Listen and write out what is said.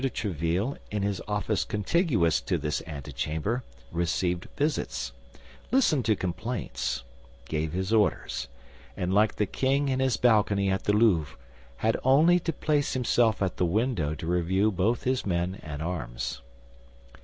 de Tréville, in his office contiguous to this antechamber, received visits, listened to complaints, gave his orders, and like the king in his balcony at the Louvre, had only to place himself at the window to review both his men and arms.